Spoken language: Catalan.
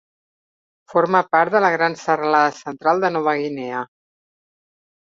Forma part de la gran Serralada Central de Nova Guinea.